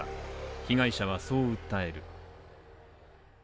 被害者はそう訴える。